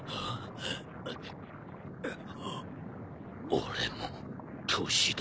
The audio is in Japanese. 俺も年だな。